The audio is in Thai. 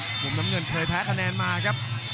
มุมน้ำเงินเคยแพ้คะแนนมาครับ